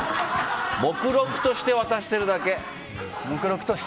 目録として渡してるだけ。